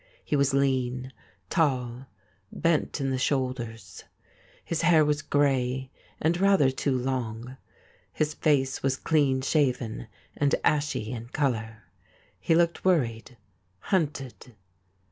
He was lean, tall, bent in the shoulders. His hair was gray and rather too long ; his face was clean shaven and ashy in colour. He looked worried — hunted.